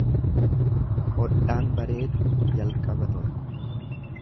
Hodhaan bareedu jalqaba tola.